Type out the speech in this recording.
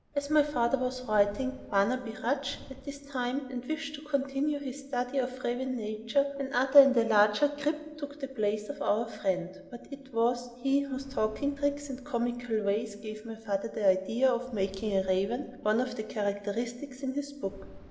As my father was writing "Barnaby Rudge" at this time, and wished to continue his study of raven nature, another and a larger "Grip" took the place of "our friend" but it was he whose talking tricks and comical ways gave my father the idea of making a raven one of the characters in this book.